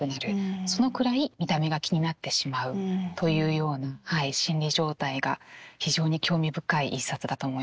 そのくらい見た目が気になってしまうというような心理状態が非常に興味深い一冊だと思います。